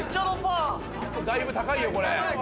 「だいぶ高いよこれ」